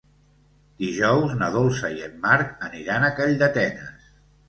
Dijous na Dolça i en Marc aniran a Calldetenes.